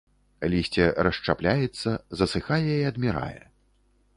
Лісце расшчапляецца, засыхае і адмірае.